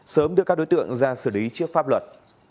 sớm đưa các đối tượng ra xử lý trước pháp luật